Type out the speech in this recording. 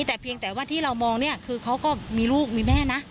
แต่เพียงแต่ว่าที่เรามองเนี่ยคือเขาก็มีลูกมีแม่นะ